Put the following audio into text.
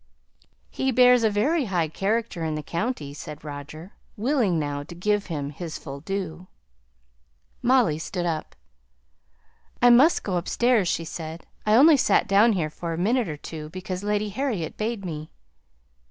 "He bears a very high character in the county," said Roger, willing now to give him his full due. Molly stood up. "I must go upstairs," she said; "I only sate down here for a minute or two because Lady Harriet bade me."